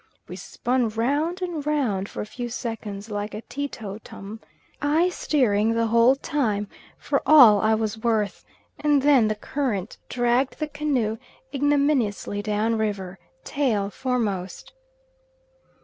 We spun round and round for a few seconds, like a teetotum, I steering the whole time for all I was worth, and then the current dragged the canoe ignominiously down river, tail foremost.